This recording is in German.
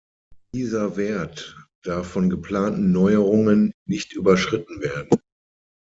Dieser Wert darf von geplanten Neuerungen nicht überschritten werden.